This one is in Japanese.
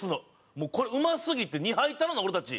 もうこれうますぎて２杯頼んで俺たち。